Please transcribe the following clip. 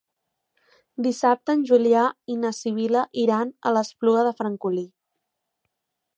Dissabte en Julià i na Sibil·la iran a l'Espluga de Francolí.